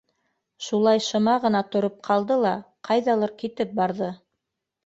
Шулай шыма ғына тороп ҡалды ла ҡайҙалыр китеп барҙы.